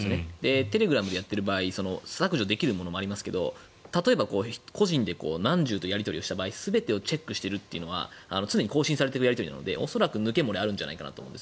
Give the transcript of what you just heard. テレグラムでやっている場合削除できるものもありますが例えば、個人で何十とやり取りした場合全てをチェックしているというのは常に更新されているやり取りなので恐らく抜け漏れがあるんじゃないかと思うんです。